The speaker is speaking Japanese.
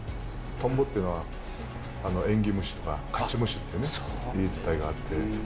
トンボっていうのは縁起虫とか、勝ち虫ってね、言い伝えがあって。